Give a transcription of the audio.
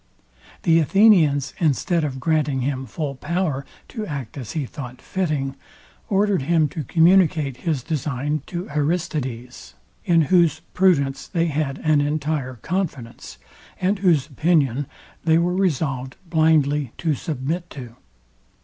The Athenians, instead of granting him full power to act as he thought fitting, ordered him to communicate his design to Aristides, in whose prudence they had an entire confidence, and whose opinion they were resolved blindly to submit to.